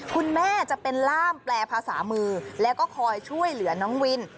คุณแม่จะเป็นล่ามแปลภาษามือแล้วก็คอยช่วยเหลือน้องวิน